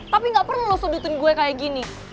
tapi gak perlu lo sudutin gue kayak gini